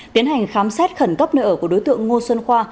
tiến hành khám xét khẩn cấp nơi ở của đối tượng ngô xuân khoa